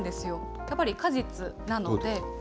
やっぱり果実なので。